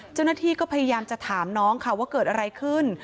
เจ้าหน้าที่ก็พยายามจะถามน้องค่ะว่าเกิดอะไรขึ้น